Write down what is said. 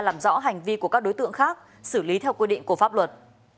làm rõ hành vi của các đối tượng khác xử lý theo quy định của pháp luật